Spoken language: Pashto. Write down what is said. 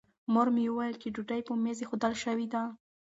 مور مې وویل چې ډوډۍ په مېز ایښودل شوې ده.